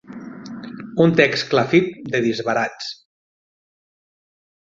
Un text clafit de disbarats.